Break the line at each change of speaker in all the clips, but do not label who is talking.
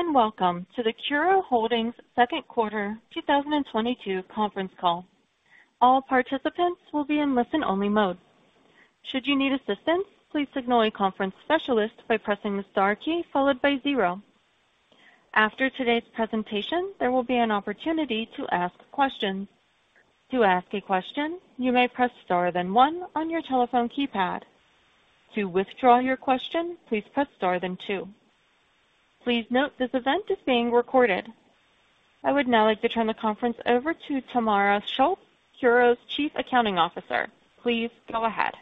Good day, and welcome to the CURO Holdings Q2 2022 conference call. All participants will be in listen-only mode. Should you need assistance, please signal a conference specialist by pressing the star key followed by zero. After today's presentation, there will be an opportunity to ask questions. To ask a question, you may press star then one on your telephone keypad. To withdraw your question, please press star then 2. Please note this event is being recorded. I would now like to turn the conference over to Tamara Schulz, CURO's Chief Accounting Officer. Please go ahead.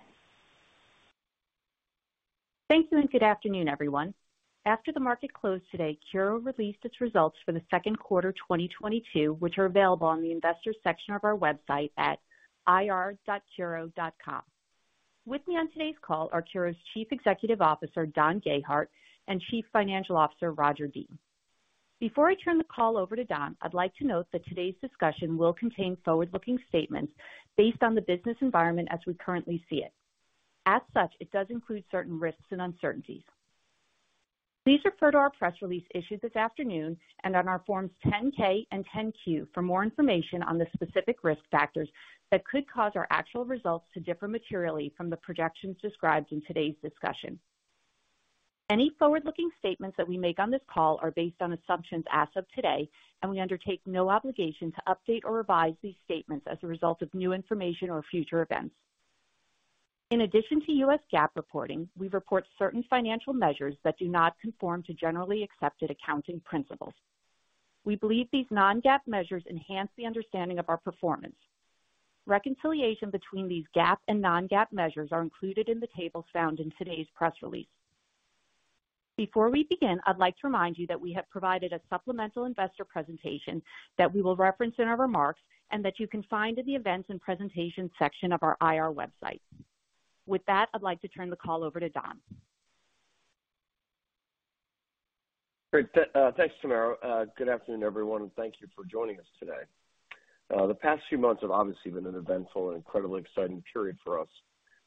Thank you and good afternoon, everyone. After the market closed today, CURO released its results for the Q2 2022, which are available on the investor section of our website at ir.curo.com. With me on today's call are CURO's Chief Executive Officer, Don Gayhardt, and Chief Financial Officer, Roger Dean. Before I turn the call over to Don, I'd like to note that today's discussion will contain forward-looking statements based on the business environment as we currently see it. As such, it does include certain risks and uncertainties. Please refer to our press release issued this afternoon and on our Forms 10-K and 10-Q for more information on the specific risk factors that could cause our actual results to differ materially from the projections described in today's discussion. Any forward-looking statements that we make on this call are based on assumptions as of today, and we undertake no obligation to update or revise these statements as a result of new information or future events. In addition to U.S. GAAP reporting, we report certain financial measures that do not conform to generally accepted accounting principles. We believe these non-GAAP measures enhance the understanding of our performance. Reconciliation between these GAAP and non-GAAP measures are included in the tables found in today's press release. Before we begin, I'd like to remind you that we have provided a supplemental investor presentation that we will reference in our remarks and that you can find in the events and presentation section of our IR website. With that, I'd like to turn the call over to Don.
Great. Thanks, Tamara. Good afternoon, everyone, and thank you for joining us today. The past few months have obviously been an eventful and incredibly exciting period for us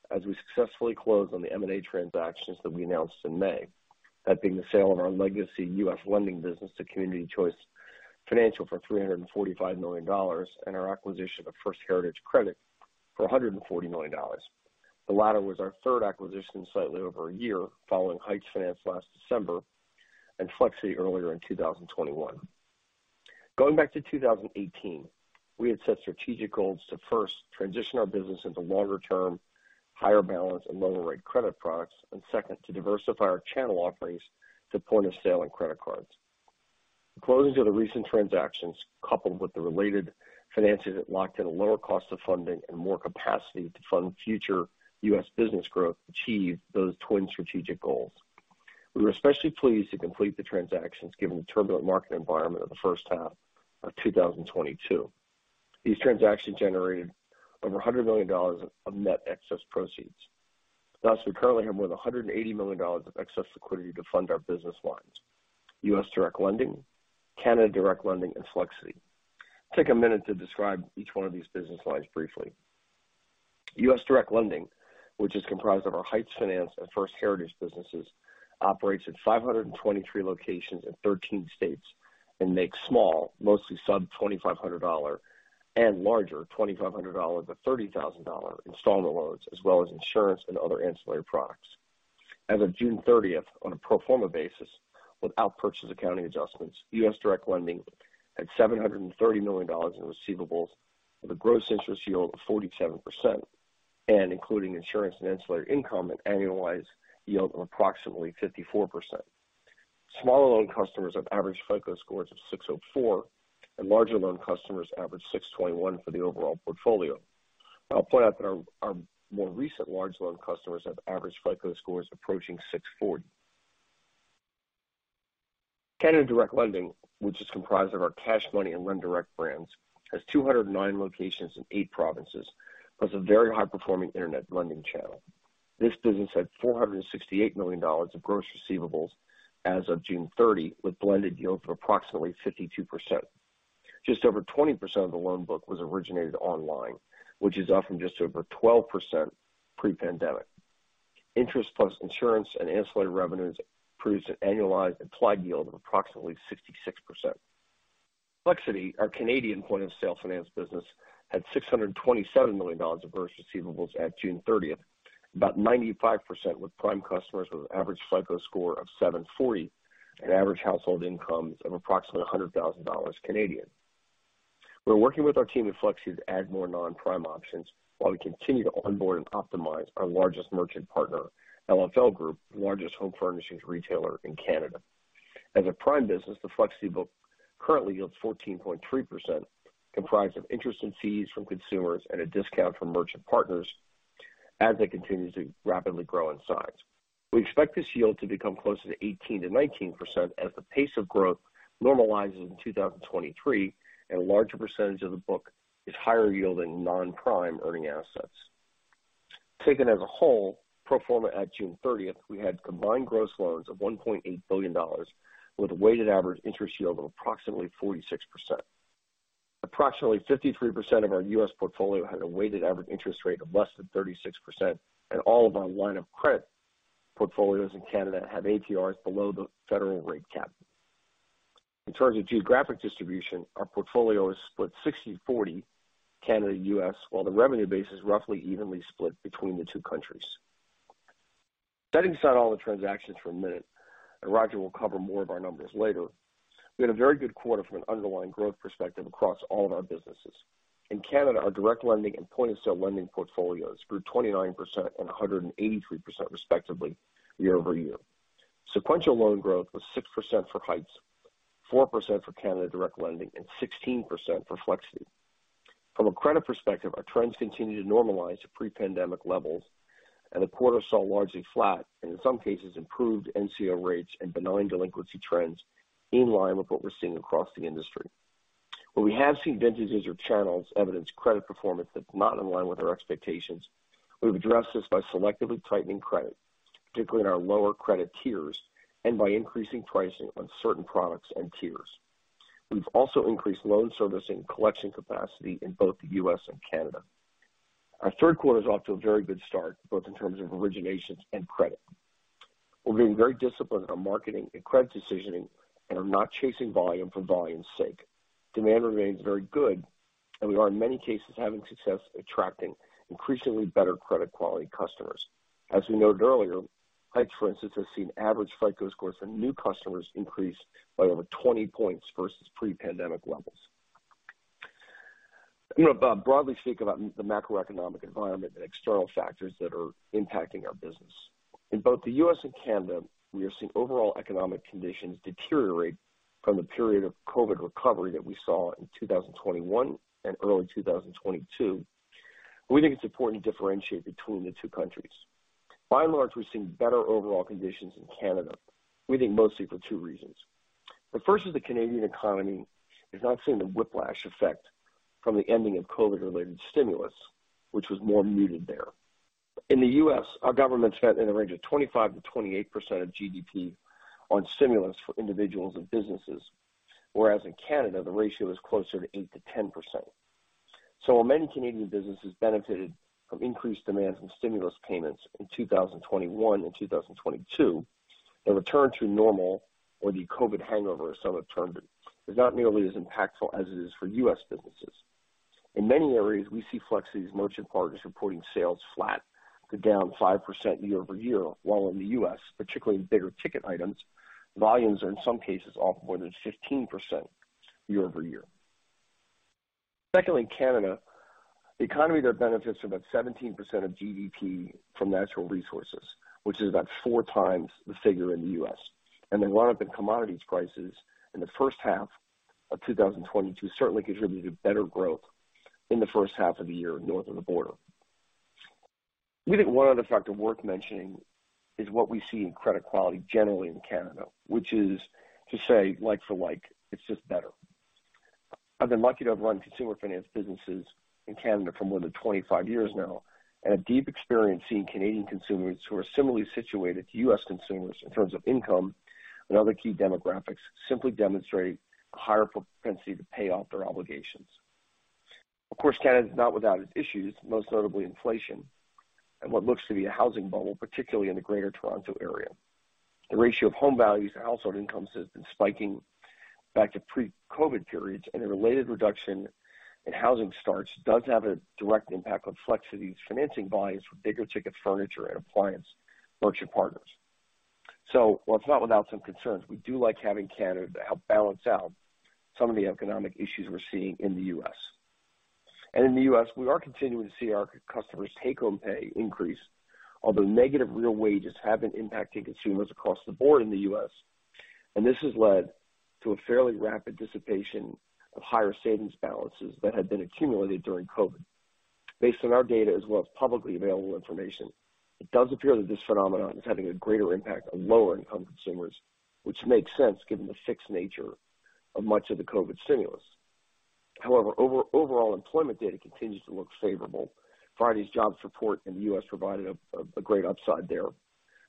as we successfully close on the M&A transactions that we announced in May. That being the sale of our legacy U.S. lending business to Community Choice Financial for $345 million and our acquisition of First Heritage Credit for $140 million. The latter was our third acquisition in slightly over a year following Heights Finance last December and Flexiti earlier in 2021. Going back to 2018, we had set strategic goals to first transition our business into longer-term, higher balance and lower rate credit products. Second, to diversify our channel offerings to point of sale and credit cards. The closings of the recent transactions, coupled with the related financing that locked in a lower cost of funding and more capacity to fund future U.S. business growth, achieved those twin strategic goals. We were especially pleased to complete the transactions given the turbulent market environment of the H1 of 2022. These transactions generated over $100 million of net excess proceeds. Thus, we currently have more than $180 million of excess liquidity to fund our business lines. U.S. direct lending, Canada direct lending, and Flexiti. Take a minute to describe each one of these business lines briefly. U.S. direct lending, which is comprised of our Heights Finance and First Heritage businesses, operates in 523 locations in 13 states and makes small, mostly sub-$2,500 and larger $2,500 or $30,000 installment loans, as well as insurance and other ancillary products. As of June 30th, on a pro forma basis, without purchase accounting adjustments, U.S. direct lending had $730 million in receivables with a gross interest yield of 47%. Including insurance and ancillary income, an annualized yield of approximately 54%. Smaller loan customers have average FICO scores of 604, and larger loan customers average 621 for the overall portfolio. I'll point out that our more recent large loan customers have average FICO scores approaching 640. Canada Direct Lending, which is comprised of our Cash Money and LendDirect brands, has 209 locations in 8 provinces, plus a very high performing internet lending channel. This business had $468 million of gross receivables as of June 30, with blended yield of approximately 52%. Just over 20% of the loan book was originated online, which is up from just over 12% pre-pandemic. Interest plus insurance and ancillary revenues produce an annualized implied yield of approximately 66%. Flexiti, our Canadian point-of-sale finance business, had $627 million of gross receivables at June 30th. About 95% were prime customers with an average FICO score of 740 and average household incomes of approximately 100,000 Canadian dollars. We're working with our team at Flexiti to add more non-prime options while we continue to onboard and optimize our largest merchant partner, LFL Group, the largest home furnishings retailer in Canada. As a prime business, the Flexiti book currently yields 14.3%, comprised of interest and fees from consumers and a discount from merchant partners as it continues to rapidly grow in size. We expect this yield to become closer to 18%-19% as the pace of growth normalizes in 2023 and a larger percentage of the book is higher yielding non-prime earning assets. Taken as a whole, pro forma at June 30th, we had combined gross loans of $1.8 billion with a weighted average interest yield of approximately 46%. Approximately 53% of our U.S. portfolio had a weighted average interest rate of less than 36%, and all of our line of credit portfolios in Canada have APRs below the federal rate cap. In terms of geographic distribution, our portfolio is split 60-40 Canada-U.S., while the revenue base is roughly evenly split between the 2 countries. Setting aside all the transactions for a minute, and Roger will cover more of our numbers later, we had a very good quarter from an underlying growth perspective across all of our businesses. In Canada, our direct lending and point-of-sale lending portfolios grew 29% and 183% respectively year-over-year. Sequential loan growth was 6% for Heights, 4% for Canada direct lending, and 16% for Flexiti. From a credit perspective, our trends continue to normalize to pre-pandemic levels, and the quarter saw largely flat, and in some cases improved NCO rates and benign delinquency trends in line with what we're seeing across the industry. Where we have seen vintages or channels evidence credit performance that's not in line with our expectations, we've addressed this by selectively tightening credit, particularly in our lower credit tiers, and by increasing pricing on certain products and tiers. We've also increased loan servicing and collection capacity in both the U.S. and Canada. Our Q3 is off to a very good start, both in terms of originations and credit. We're being very disciplined on marketing and credit decisioning and are not chasing volume for volume's sake. Demand remains very good, and we are in many cases having success attracting increasingly better credit quality customers. As we noted earlier, Heights, for instance, has seen average FICO scores for new customers increase by over 20 points versus pre-pandemic levels. I'm going to broadly speak about the macroeconomic environment and external factors that are impacting our business. In both the U.S. and Canada, we are seeing overall economic conditions deteriorate from the period of COVID recovery that we saw in 2021 and early 2022. We think it's important to differentiate between the 2 countries. By and large, we've seen better overall conditions in Canada, we think mostly for 2 reasons. The first is the Canadian economy has not seen the whiplash effect from the ending of COVID-related stimulus, which was more muted there. In the U.S., our government spent in the range of 25%-28% of GDP on stimulus for individuals and businesses, whereas in Canada, the ratio is closer to 8%-10%. While many Canadian businesses benefited from increased demand from stimulus payments in 2021 and 2022, the return to normal or the COVID hangover, as some have termed it, is not nearly as impactful as it is for U.S. businesses. In many areas, we see Flexiti's merchant partners reporting sales flat to down 5% year-over-year, while in the U.S., particularly in bigger ticket items, volumes are in some cases off more than 15% year-over-year. Secondly, in Canada, the economy there benefits from about 17% of GDP from natural resources, which is about 4x the figure in the U.S. The run-up in commodities prices in the H1 of 2022 certainly contributed to better growth in the H1 of the year north of the border. We think one other factor worth mentioning is what we see in credit quality generally in Canada, which is to say like for like, it's just better. I've been lucky to have run consumer finance businesses in Canada for more than 25 years now, and I have deep experience seeing Canadian consumers who are similarly situated to U.S. consumers in terms of income and other key demographics simply demonstrate a higher propensity to pay off their obligations. Of course, Canada is not without its issues, most notably inflation and what looks to be a housing bubble, particularly in the Greater Toronto Area. The ratio of home values to household incomes has been spiking back to pre-COVID periods, and a related reduction in housing starts does have a direct impact on Flexiti's financing volumes for bigger ticket furniture and appliance merchant partners. While it's not without some concerns, we do like having Canada to help balance out some of the economic issues we're seeing in the U.S. In the U.S., we are continuing to see our customers' take-home pay increase, although negative real wages have been impacting consumers across the board in the U.S., and this has led to a fairly rapid dissipation of higher savings balances that had been accumulated during COVID. Based on our data as well as publicly available information, it does appear that this phenomenon is having a greater impact on lower-income consumers, which makes sense given the fixed nature of much of the COVID stimulus. However, overall employment data continues to look favorable. Friday's jobs report in the U.S. provided a great upside there,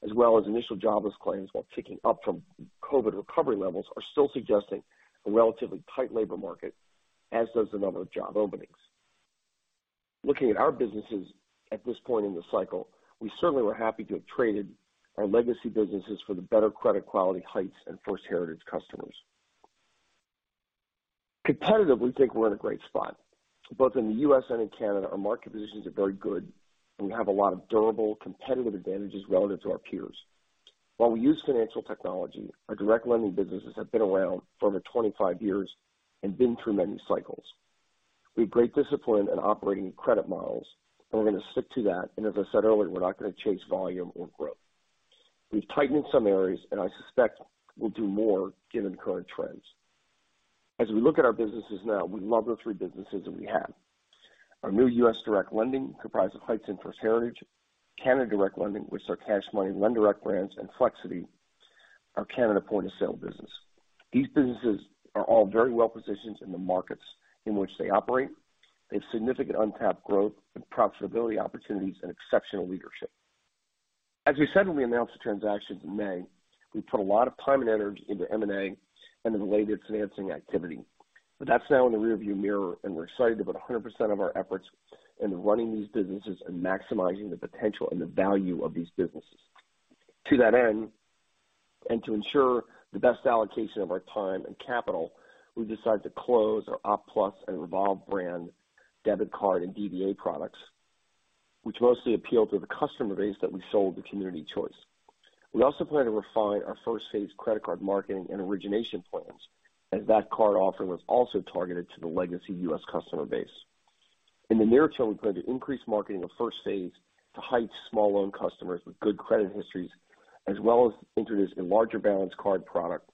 as well as initial jobless claims, while ticking up from COVID recovery levels, are still suggesting a relatively tight labor market, as does the number of job openings. Looking at our businesses at this point in the cycle, we certainly were happy to have traded our legacy businesses for the better credit quality Heights and First Heritage customers. Competitively, we think we're in a great spot. Both in the U.S. and in Canada, our market positions are very good, and we have a lot of durable competitive advantages relative to our peers. While we use financial technology, our direct lending businesses have been around for over 25 years and been through many cycles. We have great discipline in operating credit models, and we're going to stick to that. As I said earlier, we're not going to chase volume or growth. We've tightened some areas, and I suspect we'll do more given current trends. As we look at our businesses now, we love the 3 businesses that we have. Our new U.S. direct lending, comprised of Heights and First Heritage. Canada direct lending with our Cash Money and LendDirect brands, and Flexiti, our Canada point-of-sale business. These businesses are all very well positioned in the markets in which they operate. They have significant untapped growth and profitability opportunities and exceptional leadership. As we said when we announced the transactions in May, we put a lot of time and energy into M&A and the related financing activity. That's now in the rearview mirror, and we're excited about 100% of our efforts into running these businesses and maximizing the potential and the value of these businesses. To that end, and to ensure the best allocation of our time and capital, we've decided to close our Opt+ and Revolve Finance brand debit card and DDA products which mostly appeal to the customer base that we sold to Community Choice Financial. We also plan to refine our First Phase credit card marketing and origination plans, as that card offering was also targeted to the legacy U.S. customer base. In the near term, we plan to increase marketing of First Phase to Heights Finance small loan customers with good credit histories, as well as introduce a larger balanced card product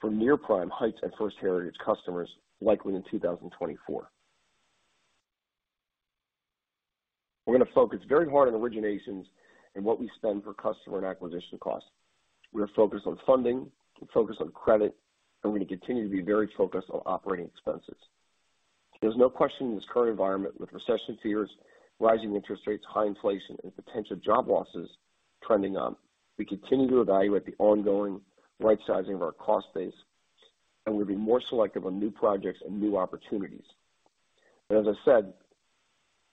for near-prime Heights Finance and First Heritage Credit customers likely in 2024. We're gonna focus very hard on originations and what we spend per customer and acquisition costs. We're focused on funding, we're focused on credit, and we're gonna continue to be very focused on operating expenses. There's no question in this current environment with recession fears, rising interest rates, high inflation, and potential job losses trending up, we continue to evaluate the ongoing right-sizing of our cost base, and we're being more selective on new projects and new opportunities. As I said,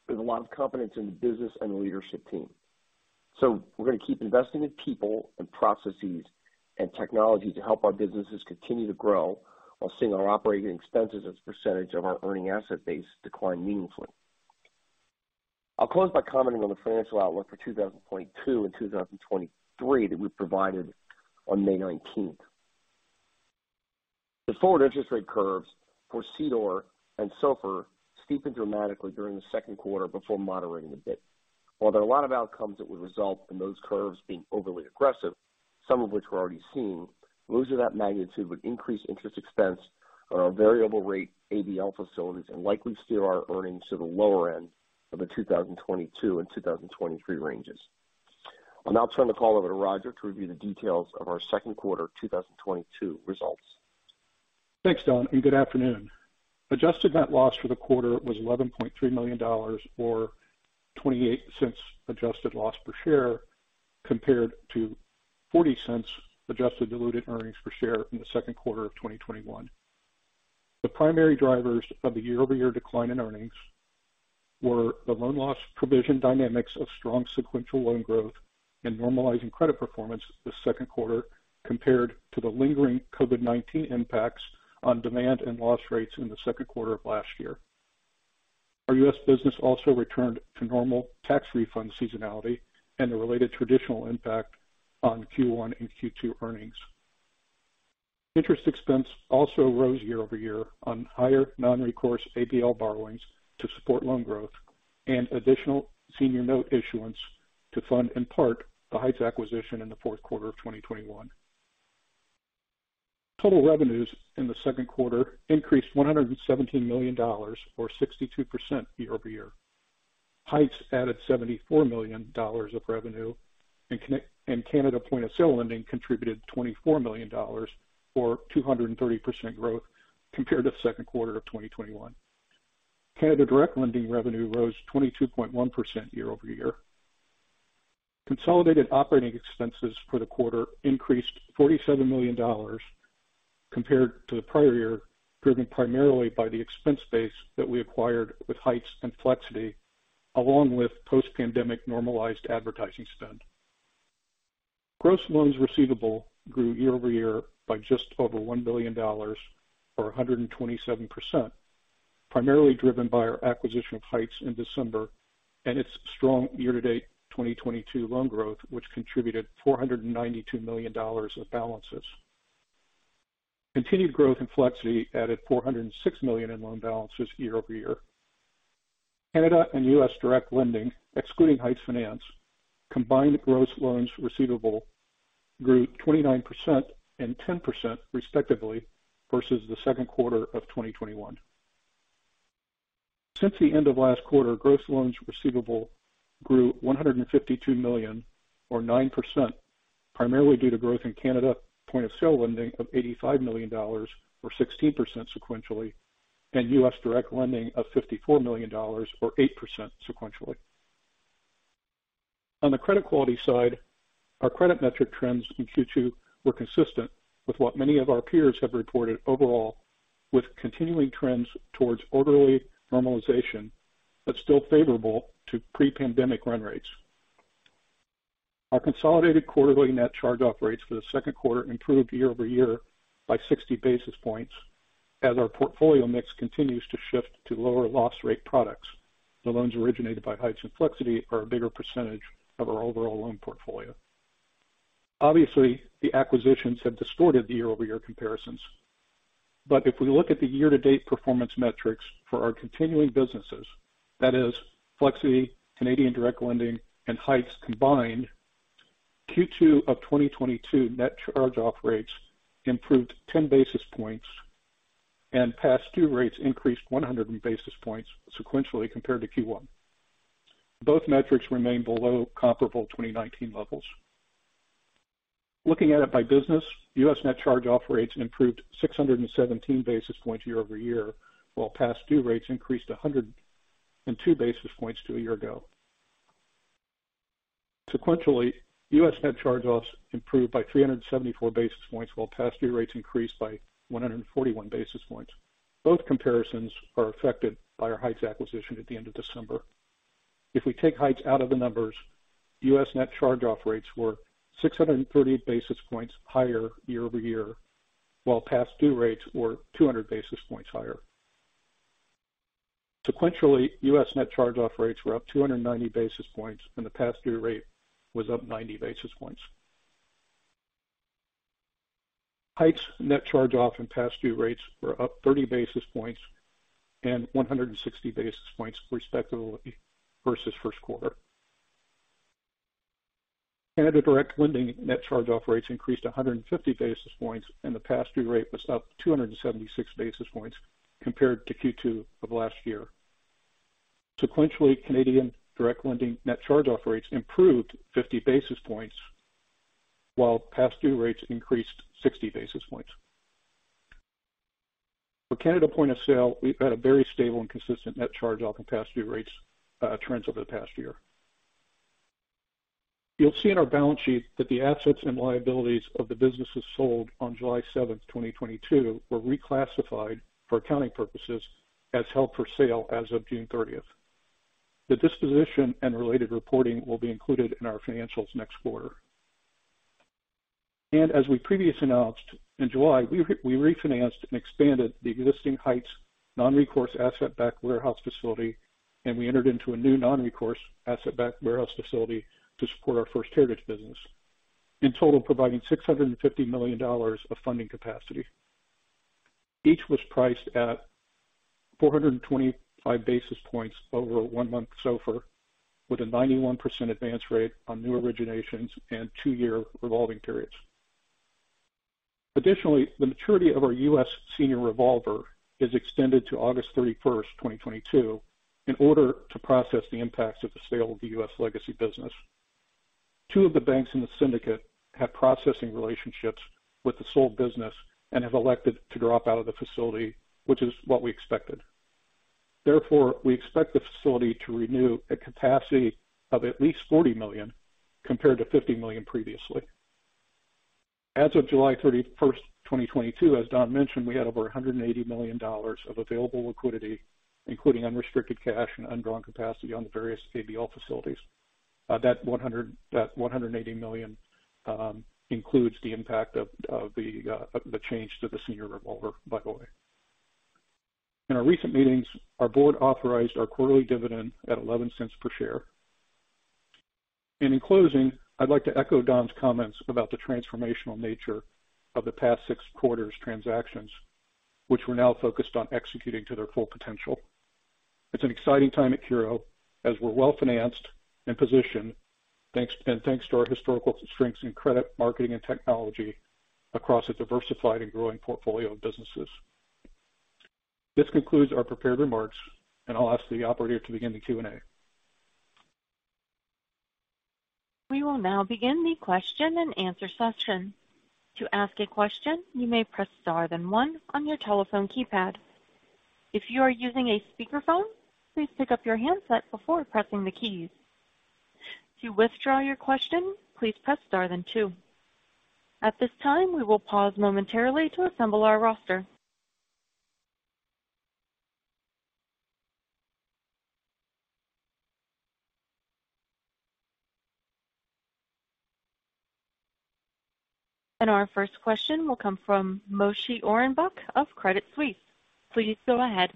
there's a lot of confidence in the business and leadership team. We're gonna keep investing in people and processes and technology to help our businesses continue to grow while seeing our operating expenses as a percentage of our earning asset base decline meaningfully. I'll close by commenting on the financial outlook for 2022 and 2023 that we provided on May 19th. The forward interest rate curves for CDOR and SOFR steepened dramatically during the Q2 before moderating a bit. While there are a lot of outcomes that would result in those curves being overly aggressive, some of which we're already seeing, moves of that magnitude would increase interest expense on our variable rate ABL facilities and likely steer our earnings to the lower end of the 2022 and 2023 ranges. I'll now turn the call over to Roger to review the details of our Q2 2022 results.
Thanks, Don, and good afternoon. Adjusted net loss for the quarter was $11.3 million or $0.28 adjusted loss per share, compared to $0.40 adjusted diluted earnings per share in the Q2 of 2021. The primary drivers of the year-over-year decline in earnings were the loan loss provision dynamics of strong sequential loan growth and normalizing credit performance this Q2 compared to the lingering COVID-19 impacts on demand and loss rates in the Q2 of last year. Our U.S. business also returned to normal tax refund seasonality and the related traditional impact on Q1 and Q2 earnings. Interest expense also rose year over year on higher non-recourse ABL borrowings to support loan growth and additional senior note issuance to fund in part the Heights acquisition in the Q4 of 2021. Total revenues in the Q2 increased $117 million or 62% year-over-year. Heights added $74 million of revenue, and Canada point-of-sale lending contributed $24 million or 230% growth compared to the Q2 of 2021. Canada direct lending revenue rose 22.1% year-over-year. Consolidated operating expenses for the quarter increased $47 million compared to the prior year, driven primarily by the expense base that we acquired with Heights and Flexiti, along with post-pandemic normalized advertising spend. Gross loans receivable grew year-over-year by just over $1 billion or 127%, primarily driven by our acquisition of Heights in December and its strong year-to-date 2022 loan growth, which contributed $492 million of balances. Continued growth in Flexiti added $406 million in loan balances year-over-year. Canada and U.S. direct lending, excluding Heights Finance, combined gross loans receivable grew 29% and 10% respectively versus the Q2 of 2021. Since the end of last quarter, gross loans receivable grew $152 million or 9%, primarily due to growth in Canada point-of-sale lending of $85 million or 16% sequentially, and U.S. direct lending of $54 million or 8% sequentially. On the credit quality side, our credit metric trends in Q2 were consistent with what many of our peers have reported overall, with continuing trends towards orderly normalization that's still favorable to pre-pandemic run rates. Our consolidated quarterly net charge-off rates for the Q2 improved year-over-year by 60 basis points as our portfolio mix continues to shift to lower loss rate products. The loans originated by Heights and Flexiti are a bigger percentage of our overall loan portfolio. Obviously, the acquisitions have distorted the year-over-year comparisons. If we look at the year-to-date performance metrics for our continuing businesses, that is Flexiti, Canadian direct lending, and Heights combined, Q2 of 2022 net charge-off rates improved 10 basis points, and past due rates increased 100 basis points sequentially compared to Q1. Both metrics remain below comparable 2019 levels. Looking at it by business, U.S. net charge-off rates improved 617 basis points year-over-year, while past due rates increased 102 basis points to a year ago. Sequentially, U.S. net charge-offs improved by 374 basis points, while past due rates increased by 141 basis points. Both comparisons are affected by our Heights acquisition at the end of December. If we take Heights out of the numbers, U.S. net charge-off rates were 630 basis points higher year-over-year, while past due rates were 200 basis points higher. Sequentially, U.S. net charge-off rates were up 290 basis points, and the past due rate was up 90 basis points. Heights net charge-off and past due rates were up 30 basis points and 160 basis points, respectively, versus Q1. Canada Direct Lending net charge-off rates increased 150 basis points, and the past due rate was up 276 basis points compared to Q2 of last year. Sequentially, Canadian Direct Lending net charge-off rates improved 50 basis points, while past due rates increased 60 basis points. For Canada Point of Sale, we've had a very stable and consistent net charge-off and past due rates trends over the past year. You'll see in our balance sheet that the assets and liabilities of the businesses sold on July 7, 2022 were reclassified for accounting purposes as held for sale as of June 30th. The disposition and related reporting will be included in our financials next quarter. As we previously announced in July, we refinanced and expanded the existing Heights Finance non-recourse asset-backed warehouse facility, and we entered into a new non-recourse asset-backed warehouse facility to support our First Heritage Credit business, in total providing $650 million of funding capacity. Each was priced at 425 basis points over a 1-month SOFR, with a 91% advance rate on new originations and 2-year revolving periods. Additionally, the maturity of our U.S. senior revolver is extended to August 31, 2022 in order to process the impacts of the sale of the U.S. legacy business. 2 of the banks in the syndicate have processing relationships with the sold business and have elected to drop out of the facility, which is what we expected. Therefore, we expect the facility to renew a capacity of at least $40 million compared to $50 million previously. As of July 31, 2022, as Don mentioned, we had over $180 million of available liquidity, including unrestricted cash and undrawn capacity on the various ABL facilities. That $180 million includes the impact of the change to the senior revolver, by the way. In our recent meetings, our board authorized our quarterly dividend at $0.11 per share. In closing, I'd like to echo Don's comments about the transformational nature of the past 6 quarters transactions, which we're now focused on executing to their full potential. It's an exciting time at CURO as we're well-financed and positioned, thanks to our historical strengths in credit, marketing, and technology across a diversified and growing portfolio of businesses. This concludes our prepared remarks, and I'll ask the operator to begin the Q&A.
We will now begin the Q&A session. To ask a question, you may press star then one on your telephone keypad. If you are using a speakerphone, please pick up your handset before pressing the keys. To withdraw your question, please press star then 2. At this time, we will pause momentarily to assemble our roster. Our first question will come from Moshe Orenbuch of Credit Suisse. Please go ahead.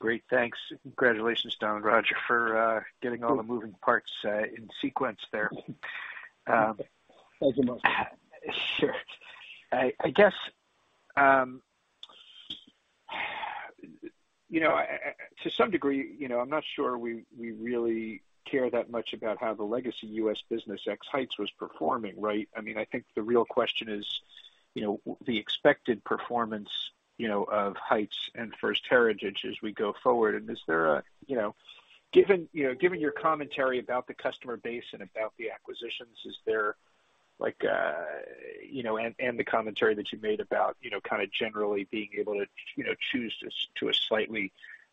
Great. Thanks. Congratulations, Don and Roger, for getting all the moving parts in sequence there.
Thank you, Moshe.
Sure. I guess, you know, to some degree, you know, I'm not sure we really care that much about how the legacy U.S. business ex Heights was performing, right? I mean, I think the real question is, you know, the expected performance, you know, of Heights and First Heritage as we go forward. Given, you know, given your commentary about the customer base and about the acquisitions, is there, like, you know, and the commentary that you made about, you know, kind of generally being able to, you know, choose to a slightly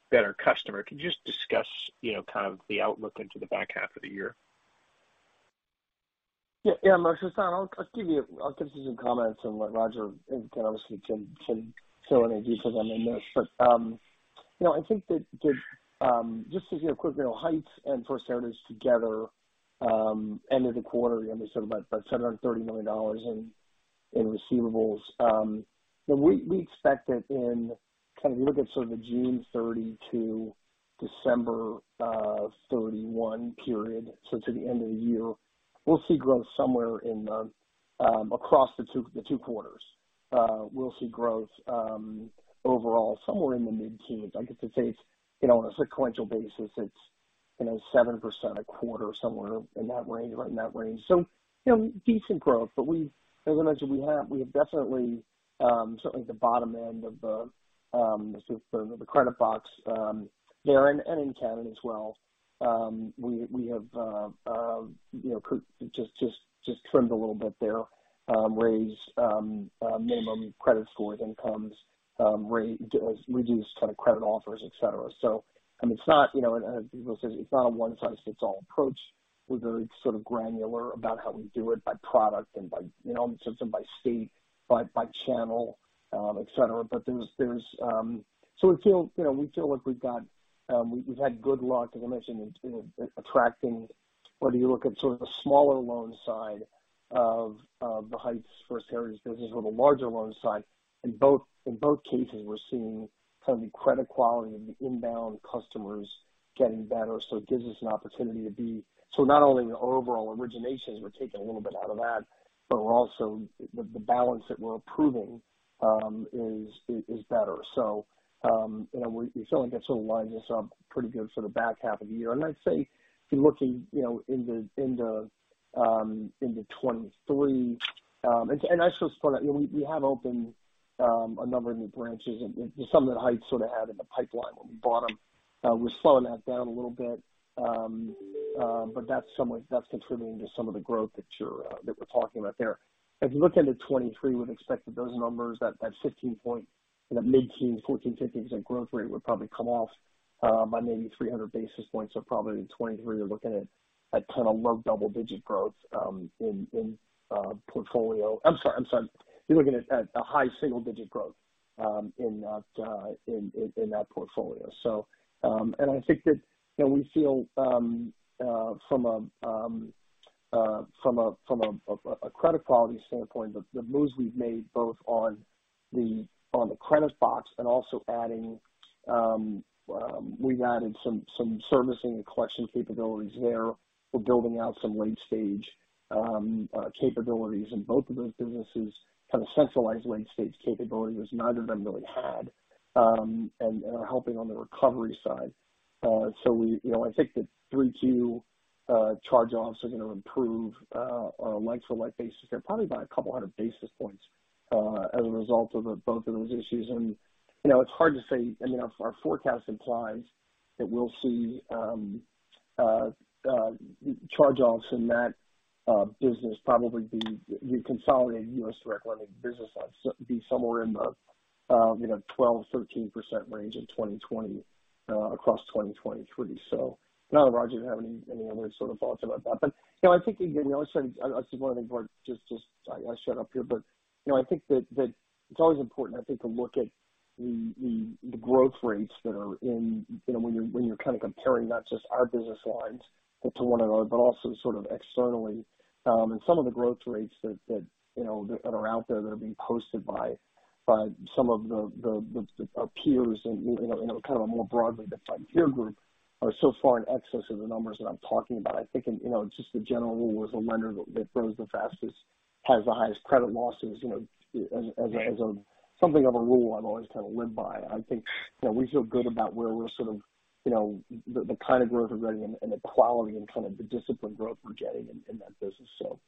better customer. Can you just discuss, you know, kind of the outlook into the back half of the year?
Yeah, Moshe. I'll give you some comments and what Roger can obviously fill in any details on the notes. You know, I think that just to give you a quick, you know, Heights Finance and First Heritage Credit together ended the quarter, you know, sort of about $730 million in receivables. We expect that if we kind of look at sort of the June 30 to December 31 period, so to the end of the year, we'll see growth somewhere in the across the 2 quarters. We'll see growth overall somewhere in the mid-teens. I guess it's safe, you know, on a sequential basis, it's you know, 7% a quarter somewhere in that range, right in that range. You know, decent growth. We've, as I mentioned, definitely certainly at the bottom end of the sort of the credit box there and in Canada as well. We have you know just trimmed a little bit there, raised minimum credit scores, incomes, reduced kind of credit offers, et cetera. I mean, it's not, you know, as people say, it's not a one-size-fits-all approach. We're very sort of granular about how we do it by product and by, you know, by state, by channel, et cetera. There's We feel, you know, we feel like we've got we've had good luck, as I mentioned, in attracting whether you look at sort of the smaller loan side of the Heights and First Heritage business or the larger loan side. In both cases, we're seeing kind of the credit quality of the inbound customers getting better. It gives us an opportunity to be so not only the overall originations, we're taking a little bit out of that, but we're also the balance that we're approving is better. You know, we feel like that sort of lines us up pretty good for the back half of the year. I'd say looking, you know, into 2023. I suppose for that, you know, we have opened a number of new branches and some that Heights sort of had in the pipeline when we bought them. We're slowing that down a little bit. But that's somewhat contributing to some of the growth that we're talking about there. If you look into 2023, we'd expect that those numbers, that 15, you know, mid-teens, 14, 15% growth rate would probably come off by maybe 300 basis points. Probably in 2023, you're looking at a kind of low double-digit growth in portfolio. I'm sorry. You're looking at a high single-digit growth in that portfolio. I think that, you know, we feel from a credit quality standpoint the moves we've made both on the credit box and also we've added some servicing and collection capabilities there. We're building out some late-stage capabilities. Both of those businesses have a centralized late-stage capability, which neither of them really had and are helping on the recovery side. We, you know, I think the 3.2% charge-offs are gonna improve on a like-for-like basis there, probably by 200 basis points as a result of both of those issues. You, Roger, do you have any other sort of thoughts about that? You know, I think, again, you know, I said, that's one of the things where just I shut up here. You know, I think that it's always important, I think, to look at the growth rates that are in, you know, when you're kind of comparing not just our business lines to one another, but also sort of externally. Some of the growth rates that, you know, that are out there that are being posted by some of the peers and, you know, and kind of a more broadly defined peer group are so far in excess of the numbers that I'm talking about. I think, you know, it's just a general rule with a lender that grows the fastest, has the highest credit losses, you know, as something of a rule I've always kind of lived by. I think, you know, we feel good about where we're sort of, you know, the kind of growth we're getting and the quality and kind of the disciplined growth we're getting in that business. So.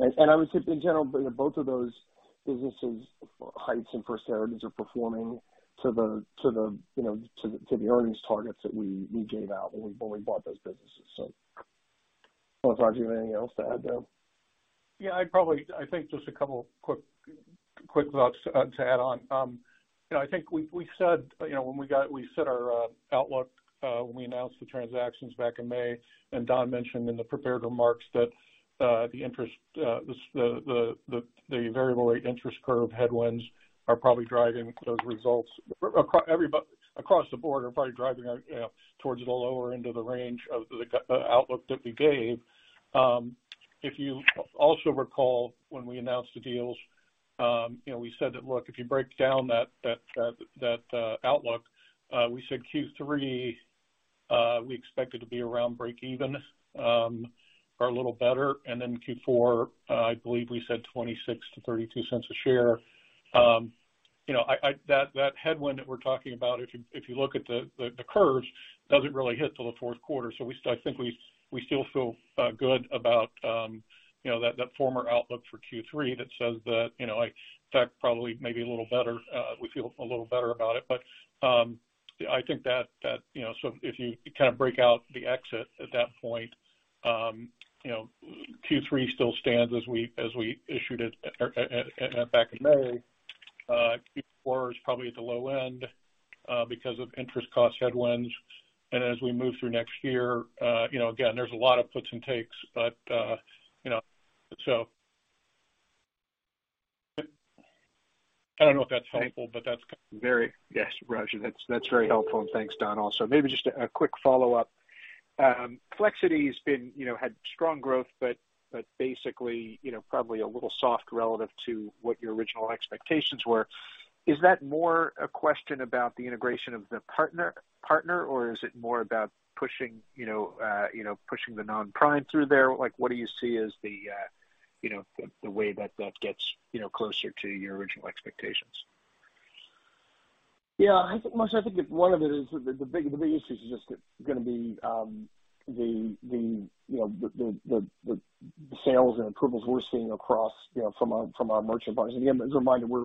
I would say in general, you know, both of those businesses, Heights and First Heritage, are performing to the earnings targets that we gave out when we bought those businesses, so. Well, Roger, do you have anything else to add there?
I think just a couple quick thoughts to add on. You know, I think we said, you know, when we set our outlook when we announced the transactions back in May. Don mentioned in the prepared remarks that the variable rate interest curve headwinds are probably driving those results across the board, driving us towards the lower end of the range of the outlook that we gave. If you also recall when we announced the deals, you know, we said that, look, if you break down that outlook, we said Q3 we expected to be around breakeven or a little better. Q4, I believe we said $0.26-$0.32 a share. That headwind that we're talking about if you look at the curves doesn't really hit till the Q4. I think we still feel good about that former outlook for Q3 that says that you know in fact probably maybe a little better. We feel a little better about it. I think that if you kind of break out the exit at that point you know Q3 still stands as we issued it back in May. Q4 is probably at the low end because of interest cost headwinds. As we move through next year you know again there's a lot of puts and takes but you know. I don't know if that's helpful, but that's.
Yes, Roger, that's very helpful, and thanks, Don, also. Maybe just a quick follow-up. Flexiti's been, you know, had strong growth but basically, you know, probably a little soft relative to what your original expectations were. Is that more a question about the integration of the partner, or is it more about pushing, you know, pushing the non-prime through there? Like, what do you see as the, you know, the way that that gets, you know, closer to your original expectations? Yeah, I think, Masha, I think one of it is the big issue is just going to be the sales and approvals we're seeing across, you know, from our merchant partners.
Again, as a reminder, we're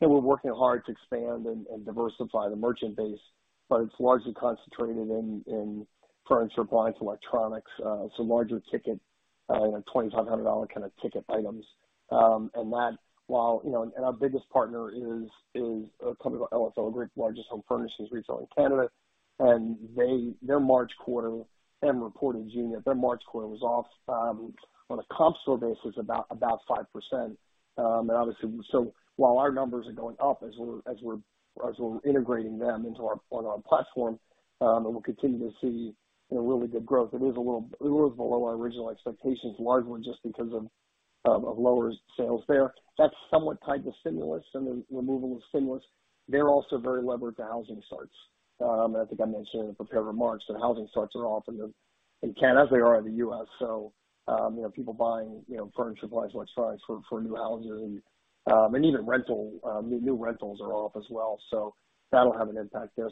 working hard to expand and diversify the merchant base, but it's largely concentrated in furniture, appliance, electronics. It's a larger ticket, $2,500 kind of ticket items. While our biggest partner is a company called LFL Group, largest home furnishings retailer in Canada. They reported their March quarter in June. Their March quarter was off on a comp store basis, about 5%. While our numbers are going up as we're integrating them into our platform, and we'll continue to see really good growth. It was a little below our original expectations, largely just because of lower sales there. That's somewhat tied to stimulus and the removal of stimulus. They're also very levered to housing starts. I think I mentioned in the prepared remarks that housing starts are off in Canada as they are in the U.S. You know, people buying, you know, furniture, appliance, electronics for a new house or even and even rental new rentals are off as well. That'll have an impact there.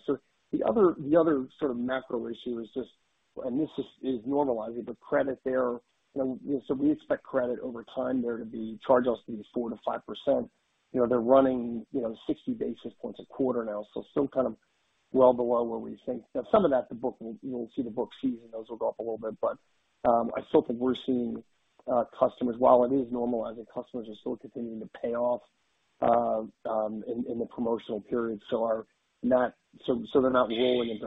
The other sort of macro issue is just and this is normalizing, but credit there. You know, we expect credit over time there to be charge-offs to be 4%-5%. You know, they're running, you know, 60 basis points a quarter now. Still kind of well below where we think. Some of that's a book. You'll see the book seasoning, those will go up a little bit. I still think we're seeing customers. While it is normalizing, customers are still continuing to pay off in the promotional period, so they're not rolling into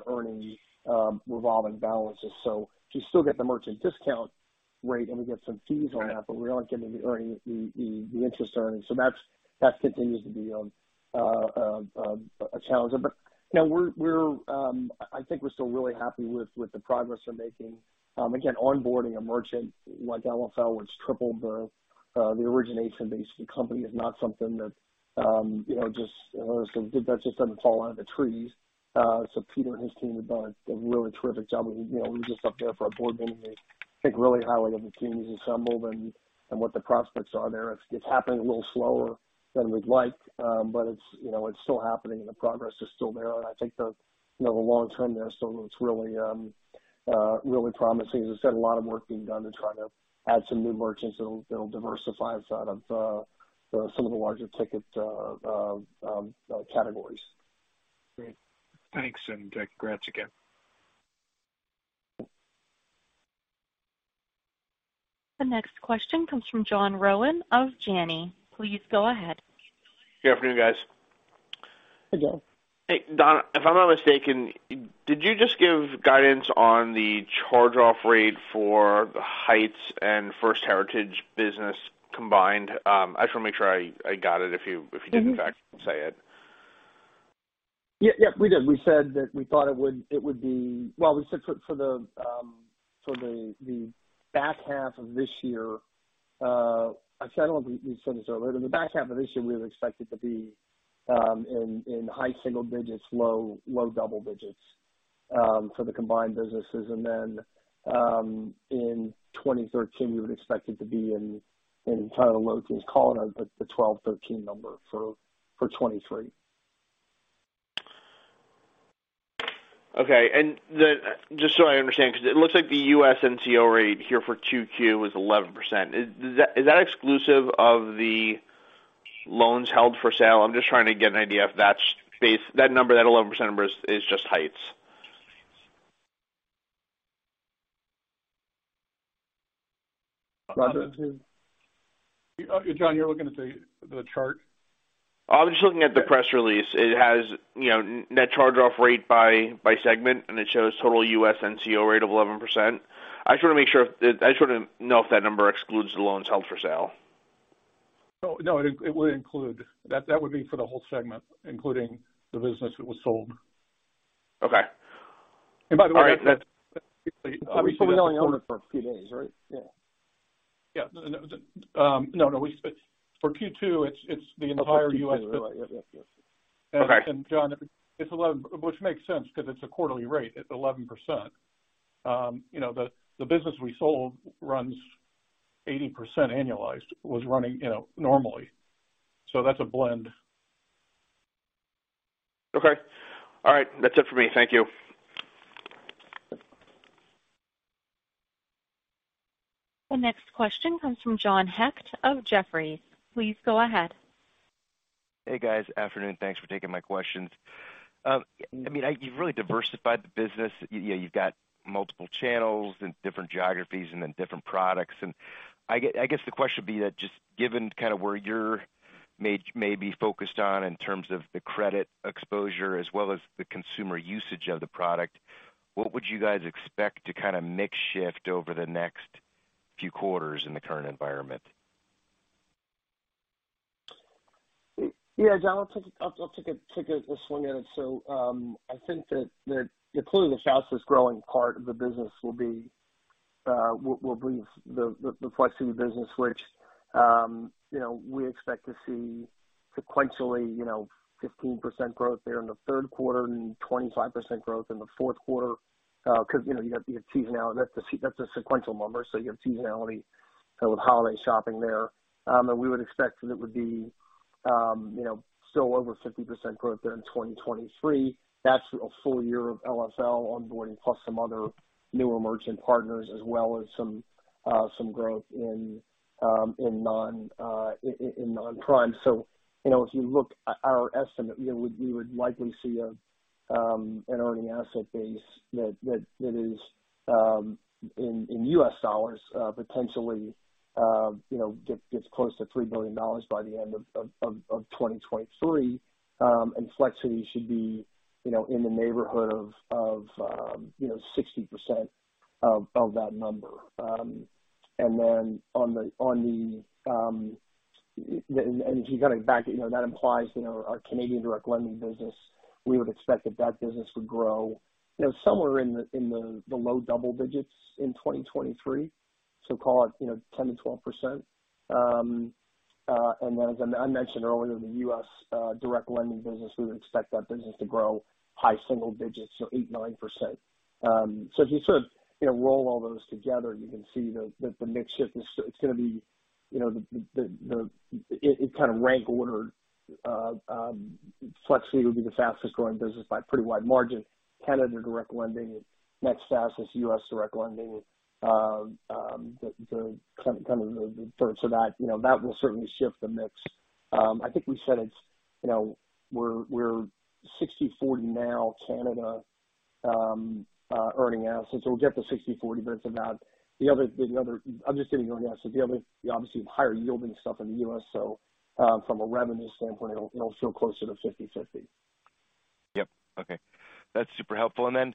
earning revolving balances. We still get the merchant discount rate, and we get some fees on that, but we aren't getting the interest earnings. That continues to be a challenge. You know, I think we're still really happy with the progress we're making. Again, onboarding a merchant like LFL, which tripled the origination base of the company, is not something that, you know, just, you know, that just doesn't fall out of the trees. Peter and his team have done a really terrific job. You know, we were just up there for our board meeting. They think really highly of the team he's assembled and what the prospects are there. It's happening a little slower than we'd like, but you know, it's still happening, and the progress is still there. I think you know, the long term there, so it's really promising. As I said, a lot of work being done to try to add some new merchants that'll diversify outside of some of the larger ticket categories.
Great. Thanks. Congrats again.
The next question comes from John Rowan of Janney. Please go ahead.
Good afternoon, guys.
Hey, John.
Hey, Don, if I'm not mistaken, did you just give guidance on the charge-off rate for the Heights Finance and First Heritage Credit business combined? I just want to make sure I got it, if you did in fact say it.
Yeah, yeah, we did. We said that we thought it would be. Well, we said for the back half of this year, actually I don't know if we said this earlier. The back half of this year, we would expect it to be in high single digits, low double digits, for the combined businesses. Then, in 2023, we would expect it to be in total loan growth calling the 12%-13% number for 2023.
Okay. Just so I understand, because it looks like the U.S. NCO rate here for 2Q is 11%. Is that exclusive of the loans held for sale? I'm just trying to get an idea if that's based, that number, that 11% number is just Heights.
John, you're looking at the chart?
I was just looking at the press release. It has, you know, net charge-off rate by segment, and it shows total U.S. NCO rate of 11%. I just want to make sure, I just want to know if that number excludes the loans held for sale.
No, it would include. That would be for the whole segment, including the business that was sold.
Okay.
By the way.
All right.
We only owned it for a few days, right? Yeah.
Yeah. No. No. For Q2, it's the entire U.S.-
For Q2, right. Yep.
Okay.
John, it's 11. Which makes sense because it's a quarterly rate. It's 11%. You know, the business we sold runs 80% annualized. Was running, you know, normally. That's a blend.
Okay. All right. That's it for me. Thank you.
The next question comes from John Hecht of Jefferies. Please go ahead.
Hey, guys. Afternoon. Thanks for taking my questions. I mean, you've really diversified the business. You've got multiple channels and different geographies and then different products. I get, I guess the question would be that just given kind of where you may be focused on in terms of the credit exposure as well as the consumer usage of the product, what would you guys expect to kind of mix shift over the next few quarters in the current environment?
Yeah, John, I'll take a swing at it. I think that clearly the fastest growing part of the business will be the Flexiti business, which you know, we expect to see sequentially you know, 15% growth there in the Q3 and 25% growth in the Q4. Because you know, you have seasonality. That's a sequential number, so you have seasonality. Kind of holiday shopping there. We would expect that it would be you know, still over 50% growth there in 2023. That's a full year of LFL onboarding, plus some other newer merchant partners as well as some growth in non-prime. If you look at our estimate, we would likely see an earning asset base that is in U.S. dollars potentially gets close to $3 billion by the end of 2023. Flexiti should be in the neighborhood of 60% of that number. If you kind of back it, that implies our Canadian direct lending business, we would expect that business would grow somewhere in the low double digits in 2023. Call it 10%-12%. As I mentioned earlier, the U.S. direct lending business, we would expect that business to grow high single digits, so 8-9%. If you sort of, you know, roll all those together, you can see the mix shift is, it's gonna be, you know. It kind of rank ordered. Flexiti would be the fastest growing business by a pretty wide margin. Canada direct lending is next fastest. U.S.. Direct lending is kind of the third. That will certainly shift the mix. I think we said it's, you know, we're 60/40 now Canada earning assets. We'll get to 60/40, but it's about the other. I'm just giving you a sense. The other, obviously higher yielding stuff in the U.S. From a revenue standpoint, it'll feel closer to 50/50.
Yep. Okay. That's super helpful. You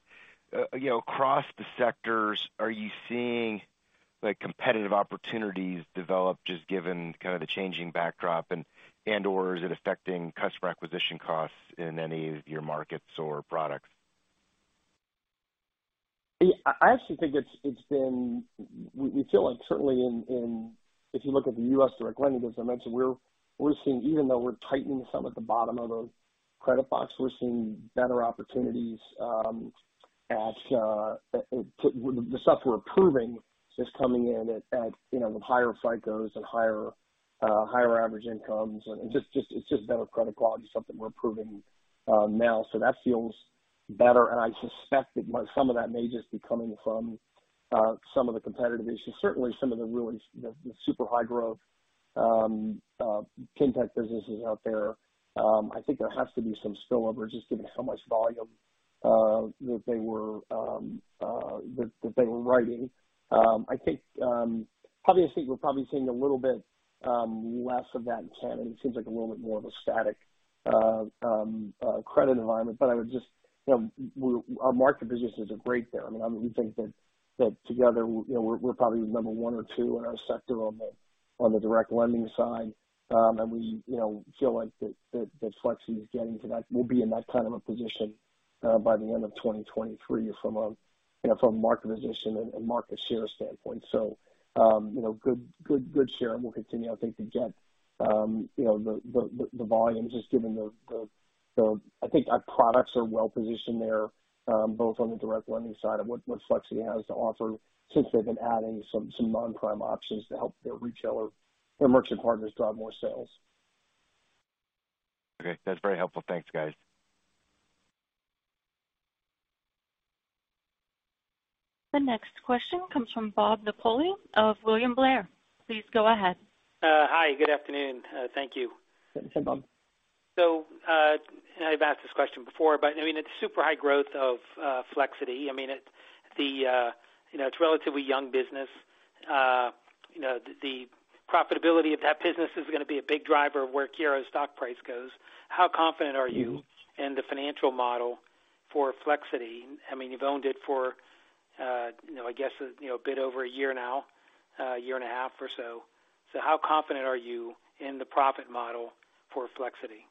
know, across the sectors, are you seeing, like, competitive opportunities develop just given kind of the changing backdrop and/or is it affecting customer acquisition costs in any of your markets or products?
I actually think it's been. We feel like certainly in if you look at the U.S. direct lending business, I mentioned we're seeing even though we're tightening some at the bottom of a credit box, we're seeing better opportunities, the stuff we're approving is coming in at, you know, with higher FICOs and higher average incomes. Just, it's just better credit quality stuff that we're approving now. That feels better. I suspect that some of that may just be coming from some of the competitive issues. Certainly some of the really the super high growth fintech businesses out there. I think there has to be some spill-over just given how much volume that they were writing. I think, obviously we're probably seeing a little bit less of that in Canada. It seems like a little bit more of a static credit environment. But I would just you know, our market position is great there. I mean, we think that together, you know, we're probably the number one or 2 in our sector on the direct lending side. We you know, feel like that Flexiti is getting to that. We'll be in that kind of a position by the end of 2023 from a you know, from a market position and market share standpoint. You know, good share and we'll continue I think to get you know, the volumes just given the. I think our products are well positioned there, both on the direct lending side of what Flexiti has to offer since they've been adding some non-prime options to help their retailer or merchant partners drive more sales.
Okay, that's very helpful. Thanks, guys.
The next question comes from Bob Napoli of William Blair. Please go ahead.
Hi. Good afternoon. Thank you.
Hi, Bob.
I've asked this question before, but I mean, it's super high growth of Flexiti. I mean, you know, it's relatively young business. You know, the profitability of that business is gonna be a big driver of where CURO's stock price goes. How confident are you in the financial model for Flexiti? I mean, you've owned it for, you know, I guess, you know, a bit over a year now, a year and a half or so. How confident are you in the profit model for Flexiti?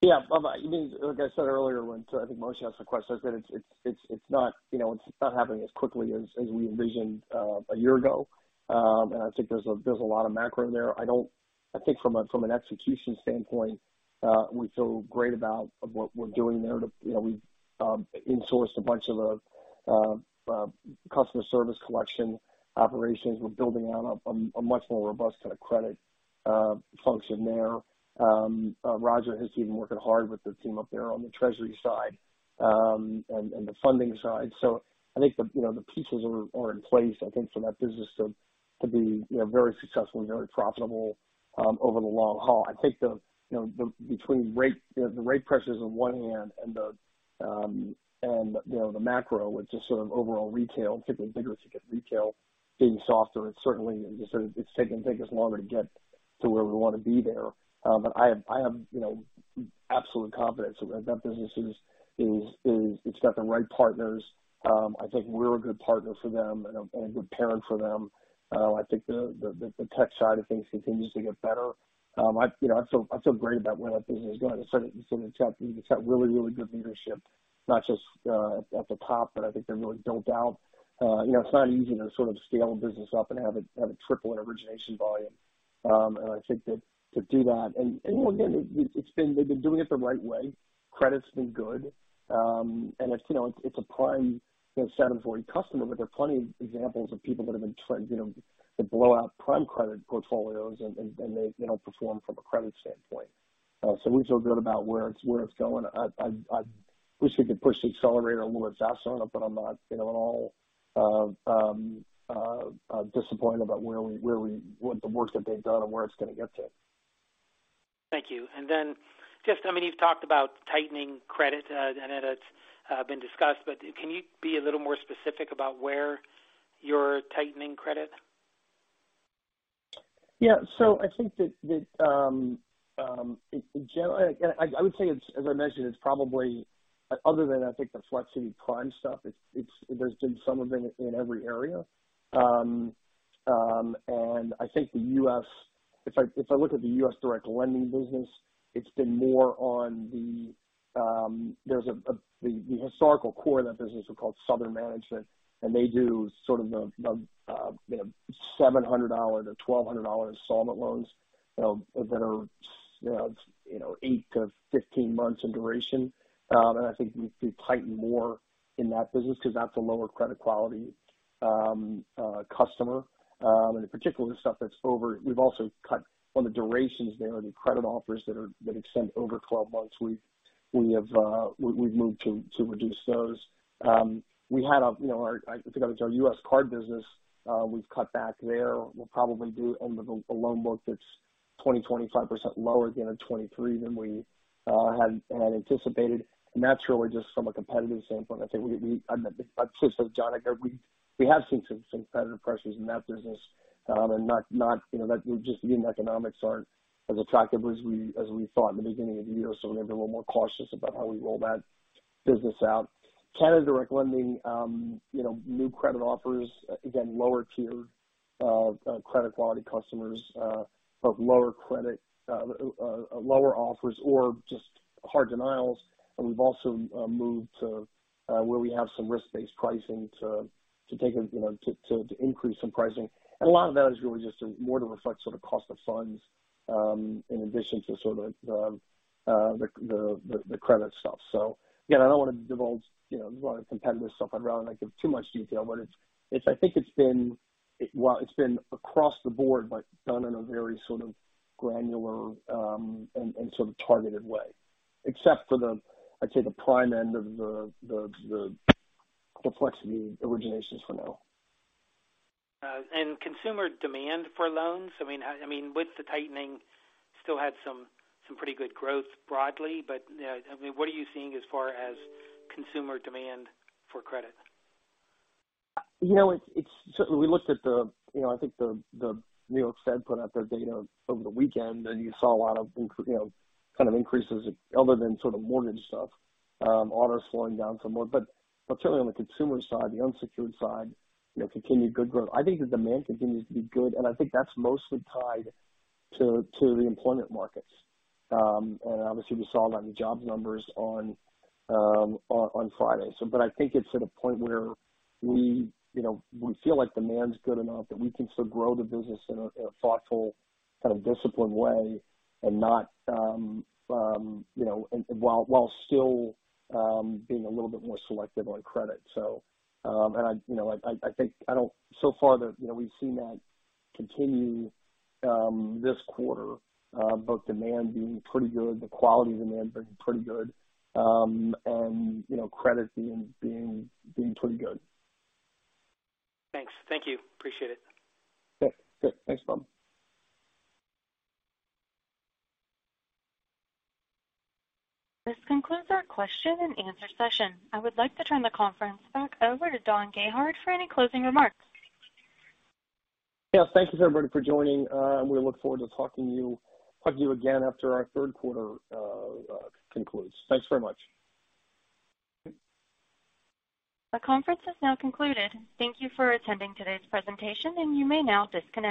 Yeah. Bob, I mean, like I said earlier when I think Moshe asked the question, I said it's not, you know, it's not happening as quickly as we envisioned a year ago. I think there's a lot of macro there. I think from an execution standpoint, we feel great about what we're doing there. You know, we've insourced a bunch of the customer service collection operations. We're building out a much more robust kind of credit function there. Roger has been working hard with the team up there on the treasury side, and the funding side. I think the pieces are in place, I think, for that business to be very successful and very profitable over the long haul. I think, you know, between the rate pressures on one hand and the macro with just sort of overall retail, particularly bigger ticket retail being softer, it's certainly. You know, sort of, it's taking us longer to get to where we wanna be there. But I have absolute confidence that that business is. It's got the right partners. I think we're a good partner for them and a good parent for them. I think the tech side of things continues to get better. You know, I feel great about where that business is going. It's got really good leadership, not just at the top, but I think they're really built out. You know, it's not easy to sort of scale a business up and have it triple in origination volume. I think that to do that, and again, it's been. They've been doing it the right way. Credit's been good. It's a prime, you know, 740 customer, but there are plenty of examples of people that have been trying, you know, to blow out prime credit portfolios and they've, you know, performed from a credit standpoint. We feel good about where it's going. I wish we could push the accelerator a little bit faster on it, but I'm not, you know, at all disappointed about what the work that they've done and where it's gonna get to.
Thank you. Then just, I mean, you've talked about tightening credit, and it's been discussed, but can you be a little more specific about where you're tightening credit?
Yeah. I think that, in general. I would say it's, as I mentioned, it's probably other than I think the Flexiti prime stuff, there's been some of it in every area. I think the U.S. if I look at the U.S. direct lending business, it's been more on the. There's the historical core of that business are called Southern Finance, and they do sort of the, you know, $700-$1,200 installment loans, that are, you know, 8-15 months in duration. I think we tighten more in that business because that's a lower credit quality customer. In particular, the stuff that's over. We've also cut on the durations there, the credit offers that extend over 12 months. We've moved to reduce those. We have, you know, our U.S. card business, we've cut back there. We'll probably end up with a loan book that's 20-25% lower at the end of 2023 than we had anticipated. That's really just from a competitive standpoint. I think I've said to John Hecht, we have seen some competitive pressures in that business, and not, you know, that just the economics aren't as attractive as we thought in the beginning of the year. We're being a little more cautious about how we roll that business out. Canada direct lending, you know, new credit offers, again, lower tier, credit quality customers, or lower credit, lower offers or just hard denials. We've also moved to where we have some risk-based pricing to take, you know, to increase some pricing. A lot of that is really just more to reflect sort of cost of funds, in addition to sort of the credit stuff. Again, I don't wanna divulge, you know, a lot of competitive stuff. I'd rather not give too much detail, but it's. I think it's been. Well, it's been across the board, but done in a very sort of granular, and sort of targeted way, except for the, I'd say, the prime end of the consumer originations for now.
Consumer demand for loans. I mean, with the tightening still had some pretty good growth broadly, but, you know, I mean, what are you seeing as far as consumer demand for credit?
You know, it's certainly we looked at the, you know, I think the New York Fed put out their data over the weekend, and you saw a lot of, you know, kind of increases other than sort of mortgage stuff. Auto slowing down some more. Particularly on the consumer side, the unsecured side, you know, continued good growth. I think the demand continues to be good, and I think that's mostly tied to the employment markets. Obviously we saw a lot of the jobs numbers on Friday. I think it's at a point where we, you know, we feel like demand's good enough that we can still grow the business in a thoughtful, kind of disciplined way and not, you know, and while still being a little bit more selective on credit. I think, so far, that, you know, we've seen that continue this quarter. Both demand being pretty good, the quality of demand being pretty good, and, you know, credit being pretty good.
Thanks. Thank you. Appreciate it.
Yeah. Good. Thanks, Bob.
This concludes our Q&A session. I would like to turn the conference back over to Don Gayhardt for any closing remarks.
Yes, thank you, everybody, for joining. We look forward to talking to you again after our Q3 concludes. Thanks very much.
The conference has now concluded. Thank you for attending today's presentation, and you may now disconnect.